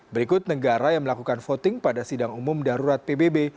berikut negara yang melakukan voting pada sidang umum darurat pbb